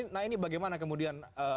nah ini bagaimana kemudian